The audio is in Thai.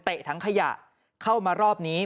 ถังขยะเข้ามารอบนี้